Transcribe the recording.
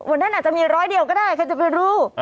อันนั้นอาจจะมีร้อยเดียวก็ได้ใครจะไปรู้